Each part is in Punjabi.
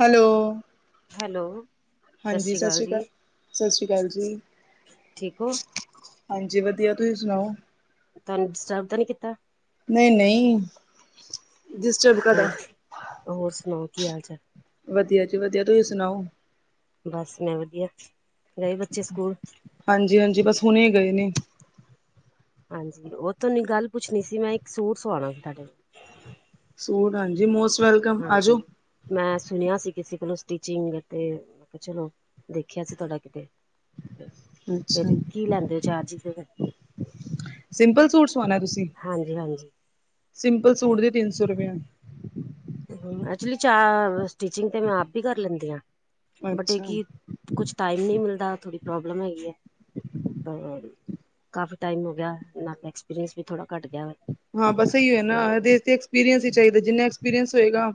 ਹੈਲੋ। ਹੈਲੋ, ਸਤਿ ਹਾਂਜੀ, ਸ੍ਰੀ ਅਕਾਲ ਸਾਸਰੀ ਜੀ। ਕਾ, ਸਾਸਰੀ ਕਾਲ਼ ਜੀ। ਠੀਕ ਹੋ? ਹਾਂਜੀ, ਵਧੀਆ ਤੁਹੀਂ ਸੁਣਾਓ? ਤੁਹਾਨੂੰ ਡਿਸਟਰਬ ਤਾਂ ਨੀ ਕੀਤਾ? ਨ‌ਈ-ਨ‌ਈ। ਹੋਰ-ਹੋਰ ਸੁਣਾਓ ਕੀ ਹਾਲ-ਚਾਲ? ਵਧੀਆ ਜੀ ਵਧੀਆ। ਤੁਹੀ ਸੁਣਾਓ? ਬਸ ਮੈਂ ਵਧੀਆ, ਗਏ ਬੱਚੇ ਸਕੂਲ ਹਾਂਜੀ-ਹਾਂਜੀ, ਬਸ ਹੁਣੇ ਗਏ ਨੇ। ਹਾਂਜੀ, ਉਹ ਤੁਹਾਨੂੰ ਗੱਲ ਪੁੱਛਣੀ ਸੀ। ਮੈਂ ਇੱਕ ਸੂਟ ਸਵਾਣਾ ਸੀ ਤੁਹਾਡੇ ਸੂਟ ਹਾਂਜੀ, ਮੋਸ ਹਾਂਜੀ। ਮੈਂ ਸੁਣਿਆ ਸੀ ਕਿਸੇ ਕੋਲੋਂ। ਸਟਿਚਿੰਗ ਅਤੇ ਚਲੋ, ਦੇਖਿਆ ਸੀ ਤੁਹਾਡਾ ਕਿਤੇ ਫੇਰ ਅੱਛਾ ਕੀ ਲੈਂਦੇ ਚਾਰਜ ਫਿਰ ਸਿੰਪਲ ਸੂਟ ਸਵਾਣਾ ਤੁਸੀਂ। ਹਾਂਜੀ, ਹਾਂਜੀ। ਸਿੰਪਲ ਸੂਟ ਦੇ ਤਿੰਨ ਸੌ ਰੁਪਏ ਐਕਚੁਲੀ ਚਾਰ, ਸਟਿਚਿੰਗ ਤੇ ਮੈਂ ਆਪ ਈ ਕਰ ਲੈਂਦੀ ਆ। ਬਟ, ਇਹ ਅੱਛਾ ਕਿ ਕੁਛ ਟਾਈਮ ਨਹੀਂ ਮਿਲਦਾ, ਥੋੜੀ ਪ੍ਰੋਬਲਮ ਹੈਗੀ ਐ। ਪਰ ਕਾਫ਼ੀ ਟਾਈਮ ਹੋ ਗਿਆ। ਨਾ ਤਾਂ ਐਕਸਪੀਰੀਐਂਸ ਵੀ ਥੋੜਾ ਘੱਟ ਗਿਆ ਵਾ। ਹਾਂ ਬਸ, ਓਹੀਓ ਏ ਨਾ, ਦੇਸ ਤੇ ਐਕਸਪੀਰੀਅੰਸ ਈ ਚਾਹੀਦਾ। ਜਿੰਨਾ ਐਕਸਪੀਰੀਅੰਸ ਹੋਏਗਾ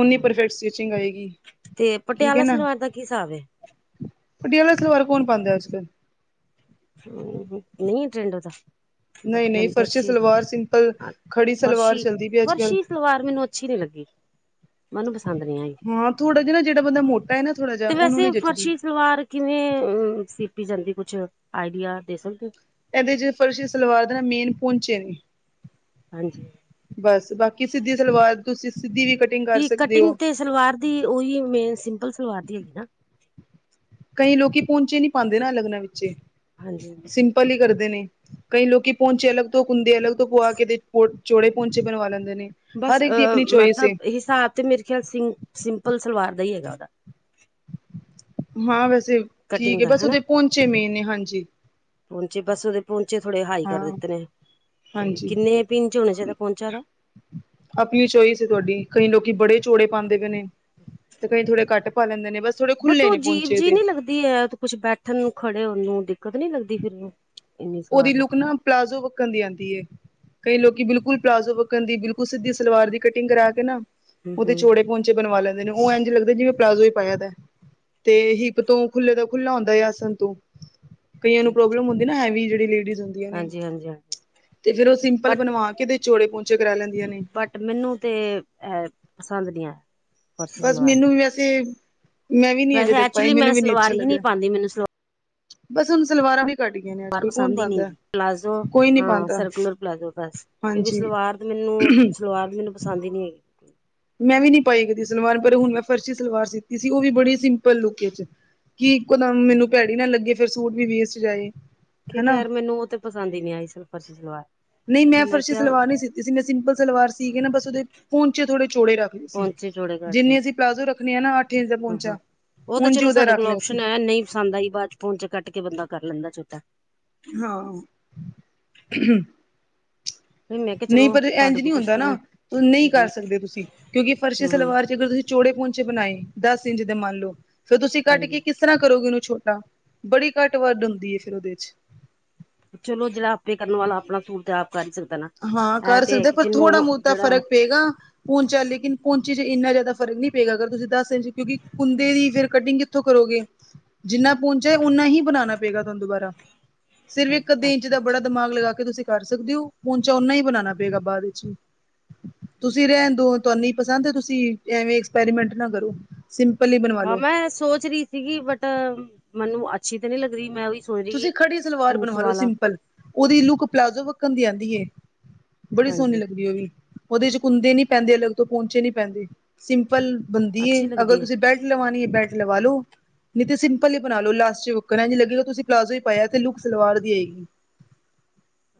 ਓਨੀ ਪਰਫੈਕਟ ਸਟਿਚਿੰਗ ਆਏਗੀ, ਤੇ ਠੀਕ ਏ ਪਟਿਆਲਾ ਨਾ। ਸਲਵਾਰ ਦਾ ਕੀ ਹਿਸਾਬ ਹੈ ਪਟਿਆਲਾ ਸਲਵਾਰ ਕੌਣ ਪਾਂਦਾ ਅੱਜ-ਕੱਲ ਹੂੰ, ਨਹੀਂ ਟਰੈਂਡ ਉਹਦਾ ਬਟ, ਨਹੀਂ-ਨਹੀਂ ਮੈਨੂੰ ਤੇ ਫਰਸ਼ੀ ਅੱਛੀ, ਸਲਵਾਰ ਸਿੰਪਲ ਖੜੀ ਸਲਵਾਰ ਚੱਲਦੀ ਪਈ ਅੱਜ ਕੱਲ ਫਰਸ਼ੀ-ਫਰਸ਼ੀ ਸਲਵਾਰ ਮੈਨੂੰ ਅੱਛੀ ਨੀ ਲੱਗੀ, ਮੈਨੂੰ ਪਸੰਦ ਨੀ ਆਈ। ਹਾਂ, ਥੋੜਾ ਜਿਹਾ ਨਾ ਜਿਹੜਾ ਬੰਦਾ ਮੋ ਮੈਂ ਨਾਂ ਥੋੜਾ ਜਿਹਾ ਤੇ ਉਹਨੂੰ ਨੀ ਵੈਸੇ ਜੱਚਦੀ ਫਰਸ਼ੀ ਸਲਵਾਰ ਕਿਵੇਂ ਸੀਤੀ ਜਾਂਦੀ ਕੁਛ ਆਈਡੀਆ ਦੇ ਸਕਦੇ ਓ? ਏਦੇ ਚ ਫਰਸ਼ੀ ਸਲਵਾਰ ਦੇ ਨੇ ਮੇਨ ਪੋਂਚੇ ਨੇ। ਹਾਂਜੀ। ਬਸ, ਬਾਕੀ ਸਿੱਧੀ ਸਲਵਾਰ ਤੁਸੀ ਸਿੱਧੀ ਵੀ ਕ ਤੇ ਕਟਿੰਗ ਤੇ ਸਲਵਾਰ ਦੀ ਓਹੀਯੋ ਮੇਨ ਸਿੰਪਲ ਸਲਵਾਰ ਦੀ ਹੈਗੀ ਨਾ? ਕਈਂ ਲੋਕੀ ਪੋਂਚੇ ਨੀਂ ਪਾਂਦੇ ਨਾ ਅਲਗ ਨਾਲ ਵਿਚੇ, ਹਾਂਜੀ ਸਿੰਪਲ ਈ ਕਰਦੇ ਨੇ। ਕਈਂ ਲੋਕੀ ਪੋਂਚੇ ਅਲੱਗ ਤੋਂ ਕੁੰਦੇ ਅਲੱਗ ਤੋਂ ਪੁਆ ਕੇ ਚੋੜੇ ਪੋਂਚੇ ਬਣਵਾ ਲੈਂਦੇ ਨੇ। ਬਸ ਹਰ ਇੱਕ ਦੀ ਅ ਆਪਣੀ ਚੋਇਸ ਏ ਮਤਲਬ ਹਿਸਾਬ ਤੇ ਮੇਰੇ ਖਿਆਲ ਸਿੰ ਸਿੰਪਲ ਸਲਵਾਰ ਦਾ ਈ ਹੈਗਾ ਓਦਾ। ਹਾਂ ਵੈਸੇ ਠੀਕ ਕਟਿੰਗ ਏ, ਦਾ ਬਸ ਓਦੇ ਪੋਂਚੇ ਮੇਨ ਨੇ, ਹਾਂਜੀ। ਪੋਂਚੇ, ਬਸ ਓਦੇ ਪੋਂਚੇ ਥੋੜੇ ਹਾਈ ਕਰ ਹਾਂ ਦਿੱਤੇ ਨੇ। ਤੇ ਕਿੰਨੇ ਕ ਈਂਚ ਹੋਣਾ ਚਾਈਦਾ ਪੋਂਚਾ ਓਦਾ? ਅਪਣੀ ਚੋਇਸ ਐ ਤੁਆਡੀ, ਕਈ ਲੋਕੀ ਬੜੇ ਚੋੜੇ ਪਾਂਦੇ ਪਏ ਨੇ। ਤੇ ਕਈ ਥੋੜੇ ਘੱਟ ਪਾ ਲੈਂਦੇ ਨੇ, ਬਸ ਥੋੜੇ ਬੱਟ ਖੁੱਲੇ ਓ ਨੇ ਅਜੀਬ ਪੋਂਚੇ ਜੀ ਤੇ ਨੀ ਲੱਗਦੀ ਐ ਕੁੱਛ ਬੈਠਣ ਨੂੰ, ਖੜੇ ਹੋਨ ਨੂੰ, ਦਿੱਕਤ ਨੀਂ ਲੱਗਦੀ ਫੇਰ ਓਦੀ ਲੁੱਕ ਨਾ ਪਲਾਜ਼ੋ ਵੱਕਣ ਦੀ ਆਂਦੀ ਏ। ਕਈ ਲੋਕੀ ਬਿਲਕੁੱਲ ਪਲਾਜ਼ੋ ਵੱਕਣ ਦੀ ਬਿਲਕੁੱਲ ਸਿੱਧੀ ਸਲਵਾਰ ਦੀ ਕਟਿੰਗ ਕਰਾ ਕੇ ਨਾ, ਹੂੰ ਓਦੇ ਹੂੰ ਚੋੜੇ ਪੋਂਚੇ ਬਣਵਾ ਲੈਂਦੇ ਨੇ, ਓ ਐਂਜ ਲਗਦੈ ਜਿਵੇ ਪਲਾਜ਼ੋ ਹੀ ਪਾਯਾ ਦੈ। ਤੇ ਹਿੱਪ ਤੋਂ ਖੁੱਲੇ ਦਾ ਖੁੱਲਾ ਹੁੰਦਾ ਐ ਆਸਨ ਤੋ ਕਈਆਂ ਨੂੰ ਠੀਕ ਠੀਕ ਪ੍ਰੋਬਲਮ ਹੁੰਦੀ ਨਾ ਹੈਵੀ ਜੇ ਲੇਡੀਜ਼ ਹੁੰਦੀਆਂ ਹਾਂਜੀ ਹਾਂਜੀ ਹਾਂਜੀ ਤੇ ਫੇਰ ਓ ਸਿੰਪਲ ਬਟ ਬਨਵਾਕੇ ਤੇ ਚੋੜੇ ਪੋਂਚੇ ਕਰਾ ਲੈਂਦੀਆਂ ਨੇ। ਬੱਟ, ਮੇਨੂੰ ਤੇ ਐ ਪਸੰਦ ਨੀਂ ਐ। ਬਸ, ਮੈਨੂੰ ਵੀ ਵੈਸੇ ਮੈਂ ਵੀ ਨੀਂ ਅਜੇ ਵੈਸੇ ਤੱਕ ਪਾਏ ਐਕਚੁਲੀ ਮੈਂ ਮੈਨੂੰ ਵੀ ਨੀ ਸਲਵਾਰ ਅੱਛਾ ਹੀ ਨਹੀਂ ਲੱਗਿਆ। ਪਾਉਂਦੀ ਮੈਨੂੰ ਸਲਵਾਰ ਬਸ, ਹੁਨ ਸਲਵਾਰਾਂ ਵੀ ਘੱਟ ਗਈਆਂ ਨੇ ਅੱਜ ਕੱਲ ਕੌਣ ਪਸਦ ਈਂ ਨੀਂ ਪਾਉਂਦਾ ਐ। ਪਲਾਜ਼ੋ ਕੋਈ ਨੀ ਹਾਂ, ਪਾਉਂਦਾ ਸਰਕੂਲਰ ਪਲਾਜ਼ੋ ਬਸ। ਕਿਉਂਕਿ ਹਾਂਜੀ ਸਲਵਾਰ ਤੇ ਮੇਨੂੰ ਸਲਵਾਰ ਵੀ ਮੇਨੂੰ ਪਸੰਦ ਹੀ ਨੀਂ ਹੈਗੀ। ਮੈਂ ਵੀ ਨੀ ਪਾਈ ਕਦੀ ਸਲਵਾਰ, ਪਰ ਹੁਣ ਮੈਂ ਫਰਸ਼ੀ ਸਲਵਾਰ ਸੀਤੀ ਸੀ ਓ ਵੀ ਬੜੀ ਸਿੰਪਲ ਲੁੱਕ ਚ। ਕੀ ਇੱਕੋ ਦਮ ਮੇਨੂੰ ਹੈਗੀ ਭੈੜੀ ਨਾ ਲੱਗੇ, ਫੇਰ ਸੂਟ ਵੀ ਵੇਸਟ ਜਾਏ। ਕਿ ਹਨਾ ਖੈਰ ਮੇਨੂੰ ਓ ਤੇ ਪਸੰਦ ਈ ਨੀਂ ਆਈ, ਫਰਸ਼ੀ ਸਲਵਾਰ। ਨਈਂ ਤੇ ਮੈਂ ਫਰਸ਼ੀ ਕਿਹਾ ਸਲਵਾਰ ਨੀਂ ਸੀਤੀ ਸੀ, ਮੈਂ ਸਿੰਪਲ ਸਲਵਾਰ ਸੀ ਕੇ ਨਾ ਬਸ ਓਦੇ ਪੋਂਚੇ ਥੋੜੇ ਚੋੜੇ ਰੱਖ ਲਏ ਸੀ, ਪਹੁੰਚੇ ਜੋੜੇ ਕਰਦੇ ਨੇ ਜਿੰਨੇ ਅਸੀ ਪਲਾਜ਼ੋ ਰੱਖਣੇ ਆ ਨਾ ਅੱਠ ਇੰਚ ਦਾ ਪੋਂਚਾ ਓ ਤਾਂ ਚਲੋ ਸਾਡੇ ਕੋਲ ਓਪਓਸ਼ਨ ਐ ਨਈਂ ਪਸੰਦ ਆਈ ਬਾਦ ਚ ਪੋਂਚਾ ਕੱਟ ਕੇ ਬੰਦਾ ਕਰ ਲੈਂਦਾ ਛੋਟਾ। ਹਾਂ। [inaudible] ਨਈਂ ਪਰ ਤੁਹਾਡੇ ਐਂਜ ਕੋਲ ਨਈਂ ਹੁੰਦਾ ਨਾ, ਪੁੱਛਦੀ ਹਾਂ ਨਈਂ ਕਰ ਹੂੰ ਸਕਦੇ ਤੁਸੀਂ ਕਿਉਂਕਿ ਫਰਸ਼ੀ ਹੂੰ ਸਲਵਾਰ ਚ ਅਗਰ ਤੁਸੀਂ ਚੋੜੇ ਪੋਂਚੇ ਬਨਾਏ ਦਸ ਇੰਚ ਦੇ ਮੰਨ ਲੋ, ਫੇਰ ਤੁਸੀਂ ਕੱਟ ਕੇ ਕਿਸ ਹਾਂਜੀ ਕਿਸ ਤਰ੍ਹਾਂ ਕਰੋਗੇ ਓਨੂੰ ਛੋਟਾ, ਬੜੀ ਕੱਟ-ਵੱਡ ਹੁੰਦੀ ਐ ਫੇਰ ਓਦੇ ਚ। ਚਲੋ ਜੇੜਾ ਆਪੇ ਕਰਨ ਵਾਲਾ ਅਪਣਾ ਸੂਟ ਤੇ ਆਪ ਕਰ ਈ ਸਕਦਾ ਨਾ। ਹਾਂ, ਇਹ ਕਰ ਤੇ ਹੈ ਸਕਦੈ ਕਿ ਪਰ ਥੋੜਾ ਜਿਹਨੂੰ ਮੂਤਾਂ ਜਿਹੜਾ ਫ਼ਰਕ ਪਏਗਾ। ਪੋਂਚਾ ਲੇਕਿਨ ਪੋਂਚੇ ਚ ਏਨਾ ਜਾਦਾ ਫਰਕ ਨਈਂ ਪਏਗਾ ਅਗਰ ਤੁਸੀਂ ਦੱਸ ਇੰਚ ਕਿਉਂਕਿ ਕੁੰਦੇ ਦੀ ਫਿਰ ਕਟਿੰਗ ਕਿੱਥੋਂ ਕਰੋਗੇ? ਜਿੰਨਾ ਪੋਂਚਾਂ ਏ ਓਨਾ ਹੀ ਬਨਾਣਾ ਪਏਗਾ ਤੁਆਨੂੰ ਦੁਬਾਰਾ। ਸਿਰਫ ਏਕ-ਅੱਧੇ ਇੰਚ ਅੱਛਾ ਦਾ ਬੜਾ ਅੱਛਾ ਦਿਮਾਗ ਲਗਾ ਕੇ ਤੁਸੀਂ ਕਰ ਸਕਦੇ ਓ। ਪੋਂਚਾ ਓਨਾ ਈ ਬਨਾਣਾ ਪਏਗਾ ਬਾਦ ਵਿੱਚ, ਤੁਸੀਂ ਠੀਕ ਹੈ। ਰੈਣ ਦੋ। ਤੁਆਨ ਨਈਂ ਪਸੰਦ, ਤੁਸੀਂ ਐਵੇਂ ਐਕਸਪੈਰੀਮੈਂਟ ਨਾ ਕਰੋ। ਸਿੰਪਲ ਈ ਬਨਵਾ ਹਾਂ, ਮੈਂ ਸੋਚ ਰੀ ਸੀਗੀ ਬੱਟ, ਮੈਨੂੰ ਅੱਛੀ ਤੇ ਨਈਂ ਲੱਗ ਰੀ, ਮੈਂ ਓਈ ਤੁਸੀਂ ਖੜੀ ਸਲਵਾਰ ਬਣਵਾ ਲਓ ਸਿੰਪਲ ਉਹਦੀ ਲੁੱਕ ਪਲਾਜ਼ੋ ਵੱਕਣ ਦੀ ਆਦੀ ਏ ਬੜੀ ਸੋਹਣੀ ਹਾਂਜੀ ਲੱਗਦੀ ਉਹ ਵੀ ਉਹਦੇ ਚੱ ਕੁੰਦੇ ਨਹੀ ਪੈਂਦੇ ਅਲੱਗ ਤੋਂ ਪੋਂਚੇ ਨੀ ਪੈਂਦੇ ਸਿੰਪਲ ਬਣਦੀ ਅੱਛੀ ਏ ਅਗਰ ਲੱਗਦੀ ਹੈ ਤੁਸੀਂ ਬੈਲਟ ਲਵਾਣੀ ਐ ਬੈਟ ਲਵਾ ਲੋ ਨਹੀਂ ਤੇ ਸਿੰਪਲ ਈ ਬਣਾ ਲੋ ਲਾਸਟ ਉਕਰਾੱ ਲਾ ਲੋ ਤੁਸੀਂ ਪਲਾਜ਼ੋ ਹੀ ਪਾਇਆ ਤੇ ਲੁੱਕ ਸਲਵਾਰ ਦੀ ਆਈ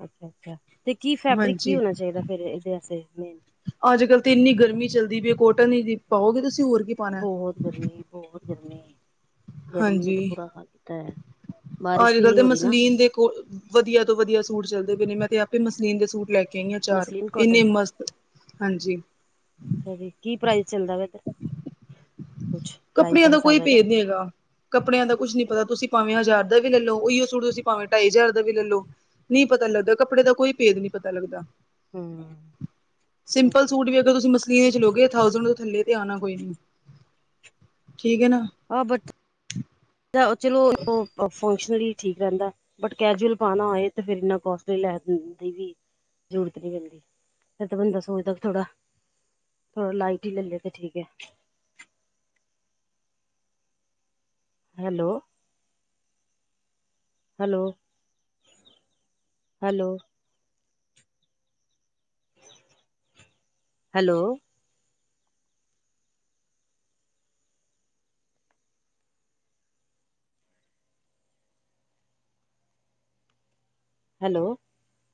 ਅੱਛਾ ਅੱਛਾ ਤੇ ਕੀ ਫੈਬਰਿਕ ਕੀ ਹਾਂਜੀ ਹੋਣਾ ਚਾਹੀਦਾ ਫਿਰ ਇਹਦੇ ਵਾਸਤੇ ਅੱਜ ਕੱਲ ਤੇ ਇੰਨੀ ਗਰਮੀਂ ਚੱਲਦੀ ਪਈ ਕੋਟਨ ਹੀ ਪਾਓਗੇ ਤੁਸੀਂ ਹੋਰ ਕੀ ਪਾਣਾ ਬਹੁਤ ਗਰਮੀਂ ਬਹੁਤ ਗਰਮੀਂ ਗਰਮੀਂ ਨੇ ਤਾਂ ਹਾਂਜੀ ਬੁਰਾ ਹਾਲ ਕੀਤਾ ਹੈ ਬਾਰਿਸ਼ ਅੱਜ ਵੀ ਕੱਲ੍ਹ ਨਹੀਂ ਤੇ ਹੋ ਰਹੀ ਨਾ ਮਸਲੀਨ ਦੇ ਕੋਲ ਵਧੀਆ ਤੋਂ ਵਧੀਆ ਸੂਟ ਚੱਲ ਪਏ ਨੇ ਮੈਂ ਤੇ ਆਪੇ ਮਸਲੀਨ ਦੇ ਸੂਟ ਲੈ ਕੇ ਇੰਨੇ ਚਾਰ ਮਸਲੀਨ ਕੋਟਨ ਇੰਨੇ ਮਸਤ ਹਾਂਜੀ ਅੱਛਾ ਜੀ ਕੀ ਪ੍ਰਾਈਜ਼ ਚੱਲਦਾ ਪਿਆ ਕੱਪੜਿਆਂ ਦਾ ਕੋਈ ਭੇਦ ਨੀ ਹੈਗਾ ਕੱਪੜਿਆਂ ਦਾ ਕੁੱਛ ਨਹੀਂ ਪਤਾ ਤੁਸੀਂ ਭਾਵੇਂ ਹਜ਼ਾਰ ਦਾ ਵੀ ਲੈ ਲੳ ਉਹੀ ਸੂਟ ਤੁਸੀਂ ਭਾਵੇਂ ਢਾਈ ਹਜ਼ਾਰ ਦਾ ਵੀ ਲੈ ਲੳ ਨਹੀਂ ਪਤਾ ਲੱਗਦਾ ਕੱਪੜੇ ਦਾ ਕੋਈ ਭੇਦ ਨਹੀਂ ਪਤਾ ਲੱਗਦਾ ਹਮ ਸਿੰਪਲ ਸੂਟ ਵੀ ਅਗਰ ਤੁਸੀਂ ਮਸਲੀਨ ਲਉਗੇ ਥਾਉਸਂਡ ਤੋਂ ਥੱਲੇ ਤੇ ਆਉਣਾ ਕੋਈ ਨਹੀਂ ਠੀਕ ਹੈ ਨਾ ਆਹ ਬਟ ਚਲੋ ਫੰਕਸ਼ਨਲ ਹੀ ਠੀਕ ਰਹਿੰਦਾ ਬਟ ਕੈਜੂਅਲ ਪਾਉਣਾ ਹੋਏ ਤੇ ਫਿਰ ਇੰਨਾ ਕੋਸਟਲੀ ਲੈ ਦੀ ਵੀ ਜ਼ਰੂਰਤ ਨਹੀਂ ਪੈਂਦੀ ਫਿਰ ਤਾਂ ਬੰਦਾ ਸੋਚਦਾ ਵੀ ਥੋੜ੍ਹਾ ਥੋੜਾ ਲਾਈਟ ਹੀ ਲੈ ਲੇ ਤੇ ਠੀਕ ਹੈ hello hello hello hello hello